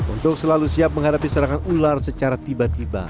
untuk selalu siap menghadapi serangan ular secara tiba tiba